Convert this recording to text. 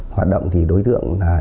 hoạt động thì đối tượng là